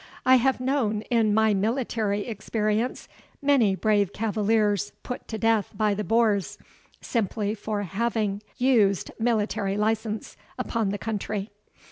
I have known, in my military experience, many brave cavaliers put to death by the boors, simply for having used military license upon the country."